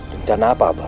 rencana apa abah